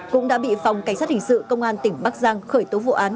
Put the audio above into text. cũng đã bị phòng cảnh sát hình sự công an tỉnh bắc giang khởi tố vụ án